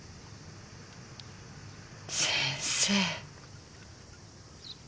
先生。